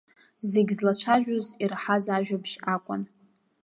Зегь злацәажәоз ираҳаз ажәабжь акәын.